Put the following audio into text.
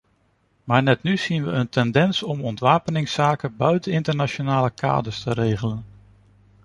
Maar net nu zien we een tendens om ontwapeningszaken buiten internationale kaders te regelen.